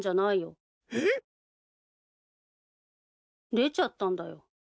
出ちゃったんだよ。